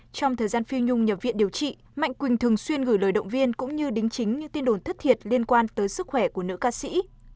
trong thời gian phiêu nhung nhập viện điều trị mạnh quỳnh thường xuyên gửi lời động viên cũng như đính chính những tin đồn thất thiệt liên quan tới sức khỏe của nữ ca sĩ